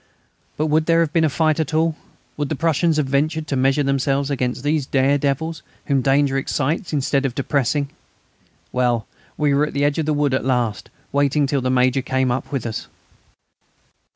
But would there have been a fight at all? Would the Prussians have ventured to measure themselves against these dare devils, whom danger excites instead of depressing? Well, we were at the edge of the wood at last, waiting till the Major came up with us.